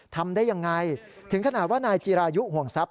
ทำได้ยังไงถึงขนาดว่านายจีรายุห่วงทรัพย